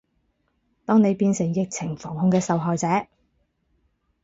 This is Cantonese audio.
當你變成疫情防控嘅受害者